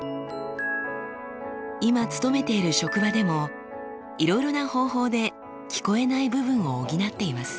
今勤めている職場でもいろいろな方法で聞こえない部分を補っています。